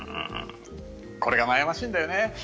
これが悩ましいんだよね。